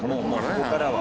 ここからは。